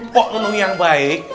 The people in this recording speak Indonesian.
pak nun yang baik